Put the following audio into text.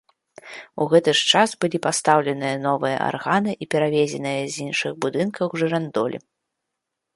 У гэты ж час былі пастаўленыя новыя арганы і перавезеныя з іншых будынкаў жырандолі.